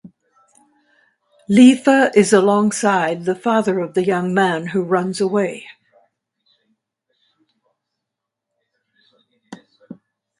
Lefa is alongside the father of the young man who runs away.